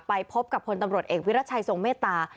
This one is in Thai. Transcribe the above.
ไปพบกับพลตำรวจเอกวิรัชัยทรงเมตตา